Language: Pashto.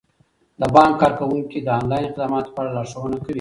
د بانک کارکوونکي د انلاین خدماتو په اړه لارښوونه کوي.